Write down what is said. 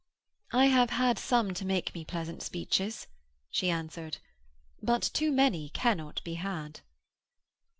'I have had some to make me pleasant speeches,' she answered, 'but too many cannot be had.'